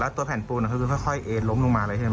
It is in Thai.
แล้วตัวแผ่นปูนก็คือค่อยล้มลงมาเลยใช่ไหม